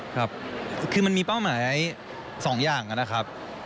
ครับคือมันมีเป้าหมาย๒อย่างนะครับ